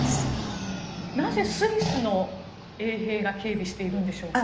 なぜスイスの衛兵が警備しているのでしょうか。